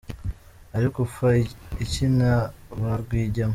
Ariko upfa iki na ba Rwigema?